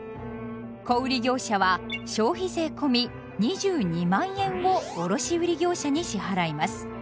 小売業者は消費税込み２２０，０００円を卸売業者に支払います。